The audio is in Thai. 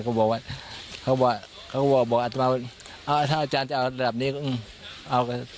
เขาก็บอกว่าอาจารย์จะเอาระดับนี้ก็เอา